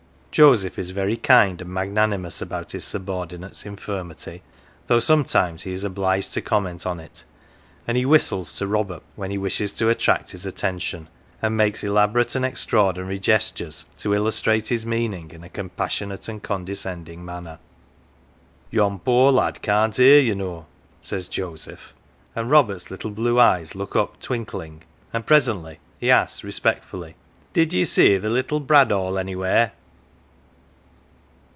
Joseph is very kind 182 OF THE WALL and magnanimous about his subordinate's infirmity, though sometimes he is obliged to comment on it ; and he whistles to Robert when he wishes to attract his attention, and makes elaborate and extraordinary ges tures to illustrate his meaning in a compassionate and condescending manner. " Yon poor lad can't hear, ye know," says Joseph ; and Robert's little blue eyes look up twinkling, and presently he asks respectfully, " Did ye see the little brad awl anywhere